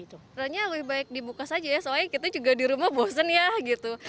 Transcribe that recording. trennya lebih baik dibuka saja ya soalnya kita juga di rumah bosen ya gitu